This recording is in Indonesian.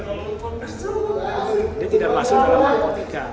dia tidak masuk dalam apotika dia obat psikologi